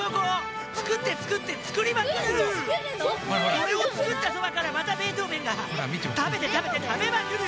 それをつくったそばからまたベートーベンがたべてたべてたべまくる！